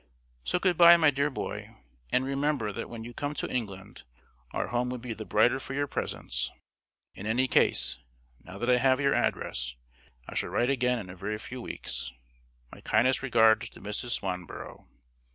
So good bye, my dear boy, and remember that when you come to England our home would be the brighter for your presence. In any case, now that I have your address, I shall write again in a very few weeks. My kindest regards to Mrs. Swanborough.